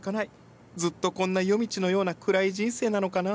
ずっとこんな夜道のような暗い人生なのかな。